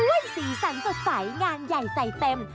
สีสันสดใสงานใหญ่ใจเต็ม